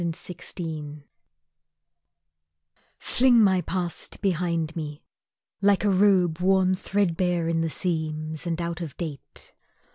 THE PAST Fling my past behind me, like a robe Worn threadbare in the seams, and out of date.